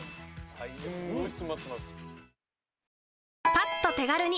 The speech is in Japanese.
パッと手軽に！